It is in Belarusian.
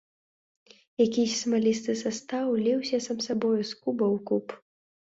Якісь смалісты састаў ліўся сам сабою з куба ў куб.